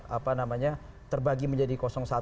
apa namanya terbagi menjadi